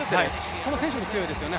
この選手も強いですよね